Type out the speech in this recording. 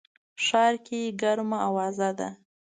ښار کي ګرمه اوازه ده